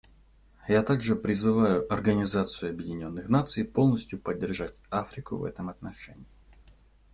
Я также призываю Организацию Объединенных Наций полностью поддержать Африку в этом отношении.